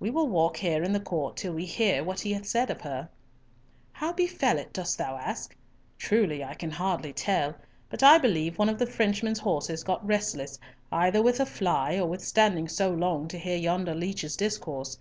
We will walk here in the court till we hear what he saith of her. How befell it, dost thou ask? Truly I can hardly tell, but I believe one of the Frenchmen's horses got restless either with a fly or with standing so long to hear yonder leech's discourse.